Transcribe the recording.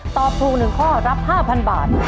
ตอบถูก๑ข้อรับ๕๐๐บาท